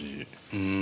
うん。